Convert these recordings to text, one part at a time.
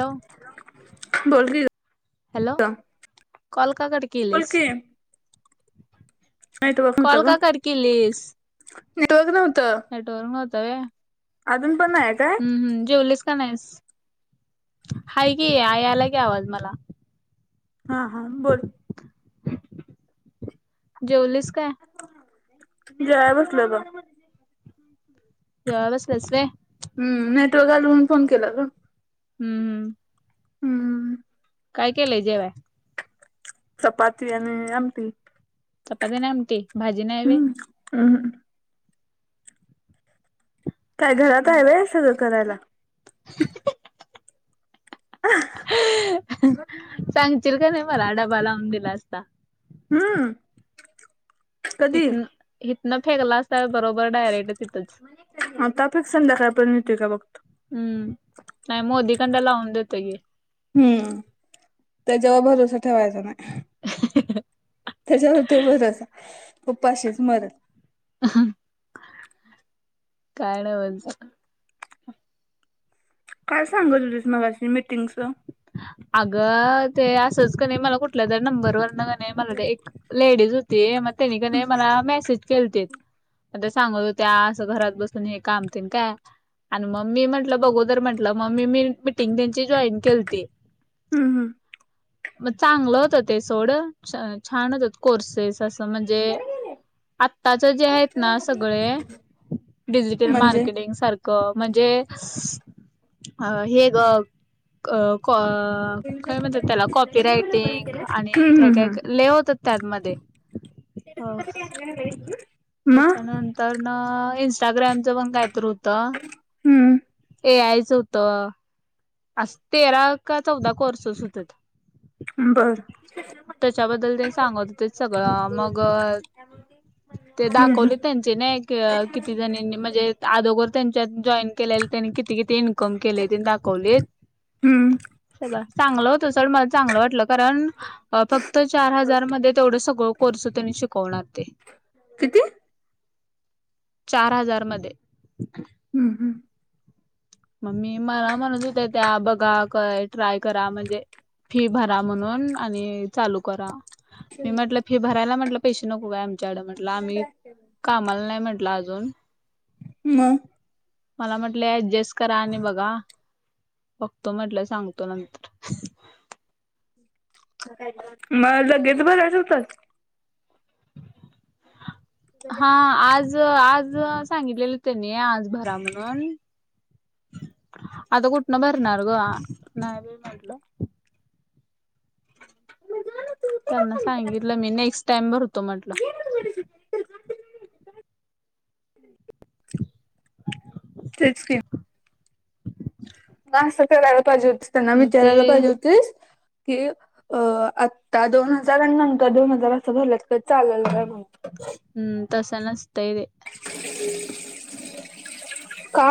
Hello hello बोल की hello call का कट बोल केलेस की नेटवर्क नव्हत कॉल ग का कट नेटवर्क नव्हत फॅट वर नव्हता वय? पण नाही काय हम् ह्म, जेवलीस का नाहीस? हाय गी, आई आलाकि, आवाज मला. हा हां, बोल. जेवलीस काय? जेवाय बसलोय ग. जेवाय बसलेस व्हय? हम्, नेटवर्क आलून, फोन केला का? हम्म. हम्म हम्म. काय केलंय, जेवाय? चपाती आणि आमटी. चपाती आणि आमटी, भाजी नाय व्हय? हम्मम. काय घरात हाय व, सगळं करायला? [unintelligible] सांगतील का नाही मला, डबा लावून दिला असता. हम्म. कधी इथनं- इथनं फेकला असता, बरोबर डायरेक्ट तिथंच. आ तापिक संध्याकाळपर्यन्त का बघतो. हम्म, नाही मोदी कांदा लाउन देतोकी. हम्म, त्याच्यावर भरोसा ठेवायचा, नाय. [unintelligible] त्याच्यावर ते भरोसा, उपाशीच मरल. काय नाय म्हणत. काय सांगत होती मगाशी मीटिंगचं? अगं ते असच क नही मला, कुठल्या तरी नंबरवरन ने मला ते एक, लेडीज होती, मग त्यानी क् नहीं, मला मेसेज केलते. पण त्या सांगत होत्या, असं घरात बसून, हे कामतेन काय आन म मी म्हटलं, बघू तर म्हटलं, मम्-ममी मी मीटिंग त्यांची जॉईन केलीती. ह्म ह्म. म चांगलं होत, ते सोड, छ-छान होतं, कोर्सेस असं म्हणजे आत्ताच जे आहेत ना, सगळे डिजिटल म्हणजे मार्केटिंग सार क् म्हणजे अस हे गं काय म्हणत्या त्याला, कॉपी रायटिंग आणि हम्म हम्म काय-काय हम्म. लई होत त्यात मध्ये, हं त्याच्या मग नं तरना, इंस्टाग्रामचं पण कायतरी होतं. हम्म ए आय च होतं, अस तेरा का चौदा कोर्सस होत त. बरं. त्याच्याबद्दल, ते सांगत होते सगळं, मंग ते दाखवले, त्यांचे ना एक, किती जणीनी, म्हणजे आदोगर त्यांच्यात, जॉईन केले, त्यांनी कि ती-किती इनकम केले, ते न दाखवलेत. हम्म. सगळं, चांगलं होत सोड, मला चांगलं वाटलं, कारण फक्त चार हजार मध्ये, तेवढं सगळं कोर्स, त्यांनी शिकवणार ते. किती? चार हजार मध्ये. हम्म, हम्म. मगं मी मला म्हणत होते त्या. बघा काय ट्राय करा. म्हणजे फी भरा म्हणून आणि चालू करा. मी म्हटलं, फि भरायला म्हटलं पैसे नको काय आमच्याकड. म्हटल आम्ही कामाला नाही म्हटलं अजून. मगं? मला म्हटले, ऍडजस् करा आणि बघा. बघतो म्हटलं, सांगतो नंतर. मग लगेच भरायच होतं. हा, आज-आज सांगितलेलं त्यांनी. आज भरा म्हणून. आता कुठनं भरणार ग? आ नाही बाई म्हटलं त्यांना सांगितलं मी. नेक्स्ट टाइम भरतो म्हटलं. [unintelligible] तेच की. म असं करायला पाहिजे होतीस, त्यांना ते विचारायला पाहिजे होतीस कि, अ आता दोन हजार आणि नंतर दोन हजार असं, भरलं तर चालल काय म्हणून. हम्म. तसं नसतंय ते. का?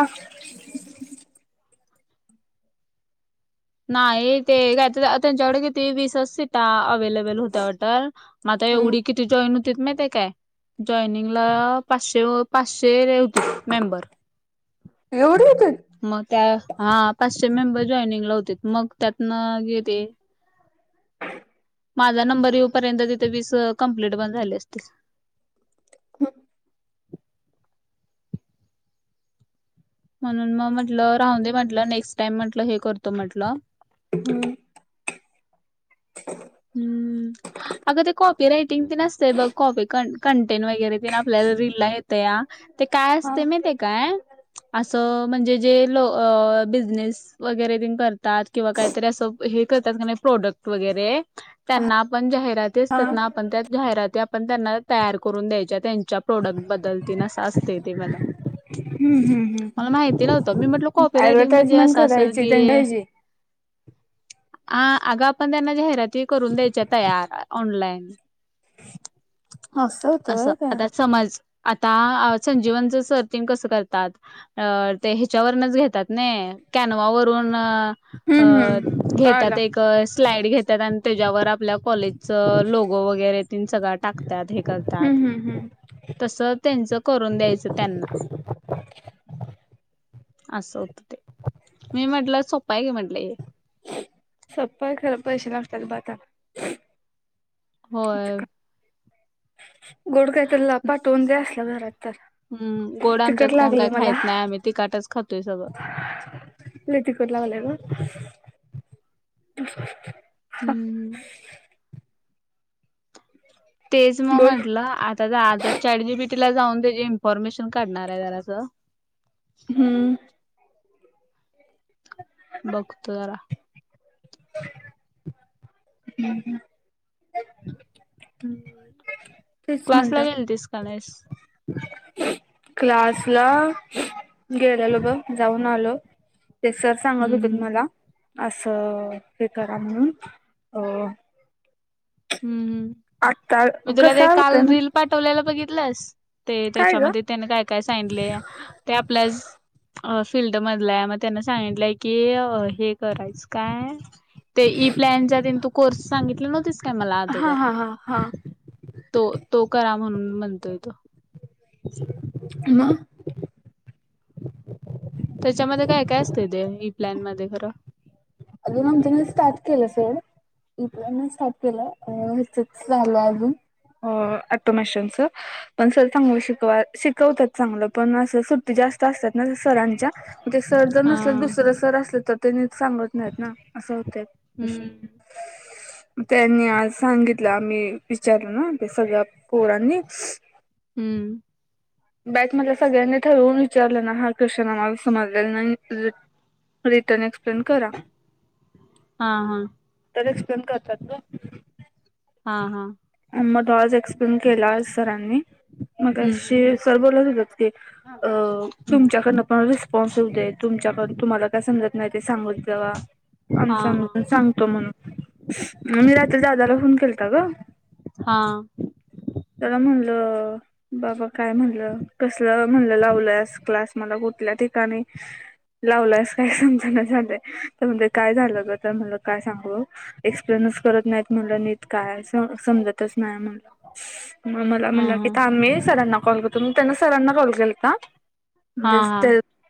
नाही. ते कायतर, ते त्यांच्याकडे किती वीसच सीटा अवेलेबल होत्या वाटतं. म आता हम्म एवढी किती जॉईन होतीत माहितीय काय? जॉईनिंगला पाचशे पाचशे होतीत मेंबर. एवढी येत्यात. मग त्या, हा. पाचशे मेंबर जॉयनिंगला होतेत. मग त्यातनं घेउदे. माझा नंबर येऊपर्यंत तिथे, वीस कंप्लीट पण झाले असते. ह. म्हणून मग म्हटलं, राहून दे म्हटलं. नेक्स्ट टाइम म्हटलं, हे करतो म्हटलं. हम. हम्म. अगं, ते कॉपी रायटिंग ते न असतय बघ. कॉपी क कंटेन वगैरे. तेन आपल्याला रिलला येतया. ते काय हा असतय, माहितेय काय? असं, म्हणजे जे लो अ बिजनेस वगैरे तेन कर तात किंवा काहीतरी असं, हे करतात का नाही, प्रोडक्ट वगैरे. त्यांना आपण जाहिराती हा असतात ना. आपण त्या जाहिराती, आपण त्यांना तयार करून द्यायच्या. त्यांच्या च्या प्रोडक्ट बद्दल तेन असं असतय ते म्हण. मला माहिती नव्हतं. मी म्हटल, कॉपी रायटिंग म्हणजे ऍडव्हर्टाइजमेंट असं असल करायची की, त्यांच्याची आ अगं, आपण त्यांना जाहिराती करून द्यायच्या तयार ऑनलाईन. होत असं. व्हय ते आता समज आता, अ संजीवनचं सर तेन कसं करतात. अ ते ह्याच्यावरूनच घेतात नाही. कॅनवावर रून अ हम्म हम्म कळालं घेत्यात. एक, स्लाईड घेत्यात अन् त्याच्यावर आपल्या कॉलेजच लोगो वगैरे तिन सगळा टाकतात. हे हम्म करतात. हम्म हम्म तसं, त्यांचं करून द्यायचं त्यांना. असं होतं ते. मी म्हंटलं, सोपा आहे की, म्हटलं हे. सोप खर पैसे लागतात ब आता होय गोड कायतला पाठवून दया असलं घरात तर हम् गोड तिखट आमच्यात कोण लागलय काही मला खायत नाही आम्ही तीखाटच खातोय सगळं लय तिकट लागलंय ग हम्म तेच मग बोल म्हंटलं आता आज चॅटजी बीटी ला जाऊन त्याची इन्फोरमेशन काढणार आहे जरासं हम्म बघतो जरा हम्म हम्म क्लास ला घेलतीस का नाहीस क्लास ला गेलालो ग जाऊन आलो ते सर सांगत हम्म होतीत हम्म. मला असं हे करा म्हणून अ हम्म हम्म. आत्ता कस होतं म पाठवल्याला बघितलंस ते ग त्याच्यामध्ये त्याने काय काय सांगितलय ते आपल्या अ फिल्ड मधला आहे मग त्यांना सांगितलंय की हे करायचं काय ते ई प्लॅनच्या टेन तू कोर्स सांगितले नव्हतीस काय मला हा आदोगर हा हा हा तो तो करा म्हणून म्हणतोय तो म त्याच्यामध्ये काय काय असतंय ते ई प्लॅन मध्ये खरं अग ममतीन स्टार्ट केलं स इ प्लॅन स्टार्ट केलं हितच झालं अजून हो ऑटोमेशन च पण सर चांगलं शिक शिकवतात चांगलं पण अस सुट्टी जास्त असत्यात [unintelligible] सरांच्या मग ते सर जर हा नसल तर दुसर सर असलं तर ते सांगत नाहीत ना असं होतं विषय हम्म म त्यांनी आज सांगितलं आम्ही विचारलं ना ते सगळ्या पोरांनी हम्म बॅच मध्ये सगळ्यांनी ठरवून विचारलं ना हा क्वेशन आम्हाला समजलेला नाही रिटर्न एक्सप्लेन करा हा हा तर एक्सप्लेन करतात ग हा हा म तो आज एक्सप्लेन केला सरानी हम्म मगाशी सर बोलत होतात की अ हम्म तुमच्याकडनं पण रीस स्पॉन्स येऊदे तुमच्या कडन तुम्हाला काय समजत नाय ते सांगा मग जरा हा आमचं हा सांगतो म्हणून मग मी आता दादाला फोन केलता ग हा त्याला म्हणलं बाबा काय म्हणलं कसलं म्हणलं लावल्यास क्लास मला कुठल्या ठिकाणी लावल्यास काय समजना झालयं तर म्हणलं काय झालं ग तर म्हणलं काय सांगू एक्सप्लेनच करत नाहीत म्हणलं नीट काय समजतच नाही म्हणलं म मला हा हा म्हणालती थांब मी सरांना कॉल करतो म त्यांनी सरांना कॉल केलता. हा म्हणजे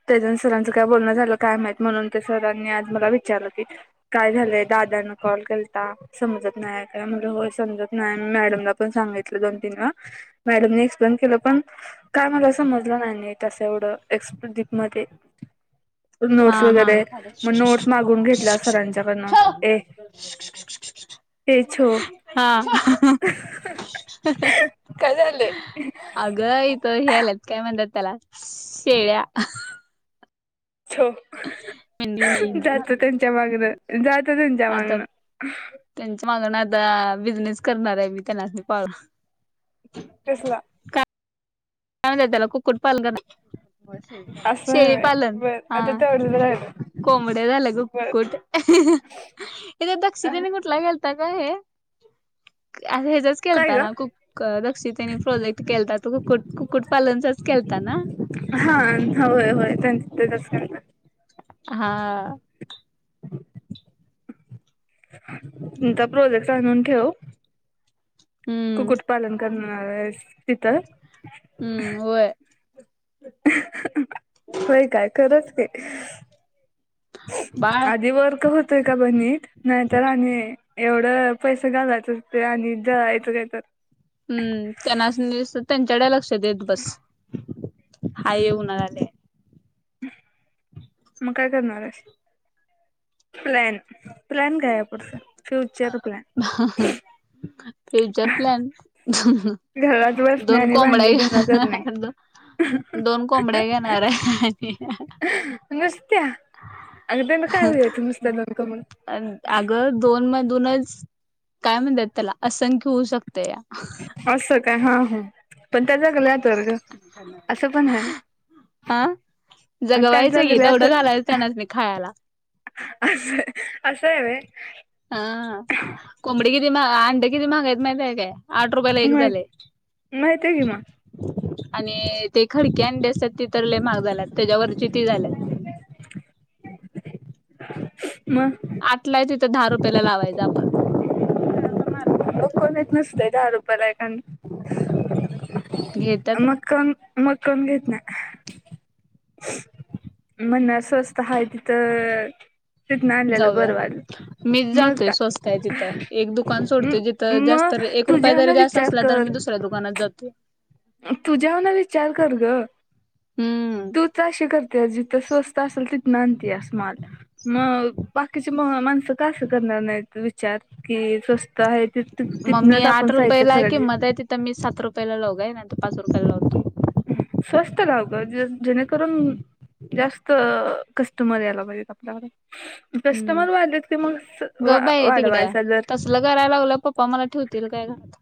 तेज आणि सरांचं काय बोलणं झालं काय माहित म्हणून ते सरांनी आज मला विचारलं की काय झालंय दादांन कॉल केलता समजत नाही का म्हणल होय समजत नाही मॅडमला पण सांगितलं दोन तीन वेळा मॅडम नी एक्सप्लेन केलं पण काय मला समजलं नाही नीट अस एवढं मध्ये हा नोट्स हा वगैरे मग नोट्स मागून घेतल्या सरांच्याकडनं ए तेच ओ हह हं काय झालंय अगं अगं इथं हे आल्यात काय म्हणत्यात त्याला शेळ्या. हो मेंढी मेंढी जा तु आता त्यांच्या मागनं, जा तु त्यांच्या मागनं त्यांच्या मागण आता बिझनेस करणार आहे मी त्यांना पा कसला? काय म्हणत्यात त्याला कुक्कुट पालण करणार असं आहे व्हय शेळीपालन बर हा आता तेवढंच राहिलं कोंबड्या झाल्या गं बर कुक्कुट ये ते दक्षिणेला कुठला गेलता गं हे, अगं हेचच हेचाच काय केलता ग? ना दक्षीतेने प्रोजेक्ट केलता तो कुक्कुट कुक्कुट पालनचाच केलता ना? हा होय होय त्यांच तेचाच केलता. हा. त्यांचा प्रोजेक्ट आणून ठेव हम्म कुक्कुटपालन कर आहेस तिथं हम्म होय होय काय खरंच ते बाळ आधी वर्क होतोय का बग नीट नाहीतर आणि एवढं पैसे घालायचं ते आणि जळायचं काय तर हम्म तेलासनी तेच्याकडे लक्ष देत बस हाय हे हुना झालंय आणि मग काय करणार आहेस प्लॅन? प्लॅन काय आहे पुढचा फ्युचर प्लॅन? अहहं फ्युचर प्लॅन ह हं घरात बसणे दोन आणि कोंबड्या भांडी धुन करणे घेणार दोन दोन कोंबड्या घेणार आहे ह हहहं नुसत्या अगं त्यानं काय हुआयच नुसत्या दोन कोंबड्यान आणि अगं दोन मधुनच काय म्हणत्यात त्याला असंख्य होऊ शकतया. असं काय हा हा पण त्या जगल्या तर गं [inaudible] अ आणि त्या जगवायच्याकी जगल्या तर तेवडं घालायचं तेनासणी खायला. असं असय व्हय हा हा कोंबडी किती महा अंड किती महागायत माहित काय आठ रुपयाला एक माहित झालंय. माहितीय की मग आणि ते खडकी अंडी असत्यात ती तर लय महाग झाल्यात त्याच्यावरची ती झाल्यात. म आठला आहे तिथं दहा रुपयाला लावायचं आपण मग कोण येत नसतयं दहा रुपायला एक अंड, घेतात मग कोण मग कोण घेत नाय. [inaudible] म्हणा स्वस्त हाय तिथ जाऊया मी मग जातोय काय स्वस्त आहे तिथं एक दुकान सोडतोय जिथ तर जास्त मग एक रुपया तुझ्याहून जरी जास्त विचार असला तर मी दुसऱ्या दुकानात जातो. तुझ्या वर्ण न विचार कर ग हम्म तू तूच अशी करतेज जिथ स्वस्त असल तिथंन अंत्यास माल. मग बाकीचे म -माणसं का असं करणार नाही विचार, की स्वस्त आहे ति मग मी आठ रुपयाला आहे की मध्ये तिथ मी सात रुपयला लाऊ काय नाय तर पाच रुपयाला लावतो. स्वस्त लाव ग ज- जेणेकरून जास्त कस्टमर यायला पाहिजेत आपल्याकड. हम्म कस्टमर वाढलेत की मग वा गप बाई तिकडं -वाढवायचा दर. [inaudible] तसलं करायला लागलं पप्पा मला ठेवतील काय घरात.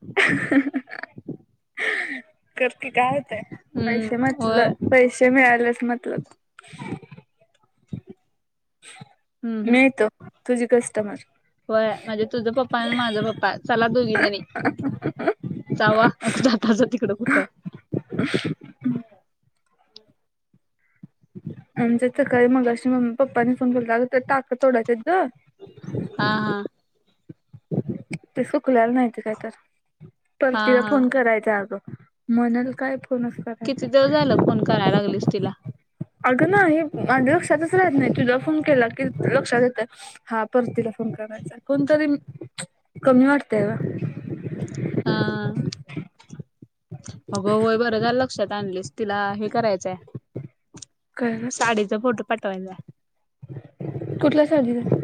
कर की काय होतंय पैसे हम्म होय म्हटलं पैसे मिळाल्याशी मतलब. हम्म हम्म मी येतो तुझी कस्टमर. होय म्हणजे तुझं पप्पा आणि माझ पप्पा चला दोघी जणी. जावा अग ताच [unintelligible] तिकडं कूट. [inaudible] आमच्या सकाळी मगाशी मम्मी पप्पांनी फोन केलात अगं ते टाक तोडायचेत ग. हा हा. ते सुकल्याला नाहीती काय तर हा परतीला हा फोन करायचं अगं. म्हणल काय फोन अस देव झालं फोन करायला लागलीस तिला. अगं ना ही माझ्या लक्षातच राहत नाही, तुला फोन केला की लक्षात येतय. हा परतीला फोन करायचा कोणतरी कमी वाटतय ग. हा अगं होय बरं झाल लक्षात आणलीस. तिला हे करायचंय आहे काय ग साडीचा फोटो पाठवायचाय ‌‌ कुठल्या साडीचा.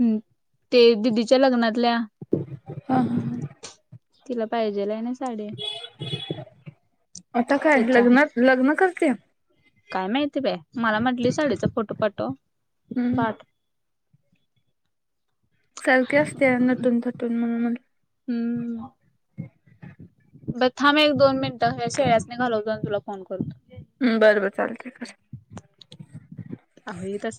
हम, ते दिदीच्या लग्नातल्या. हा हा. तिला पाहिजे ल हाय न‌इ. आता काय त्याचा लग्नात लग्न करत्या. काय माहितीय बाय मला म्हटली साडीचा फोटो पाठव. हम्म पाठ सारखे असते नटून थटून म्हणून म्हटलं. हम्म. ब थांम एक दोन मिनिटं ह्या शेळ्यांनी घालवतो आणि तुला फोन करतो. हंम बरं बर चालतय कर. अ तर [inaudible]